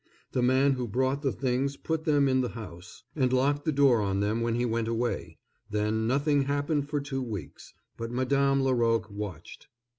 The man who brought the things put them in the house, and locked the door on them when he went away; then nothing happened for two weeks, but Madame Laroque watched.